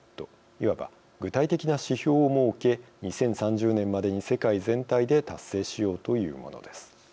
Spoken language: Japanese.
いわば、具体的な指標を設け２０３０年までに世界全体で達成しようというものです。